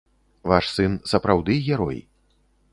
Ваш сын сапраўды герой.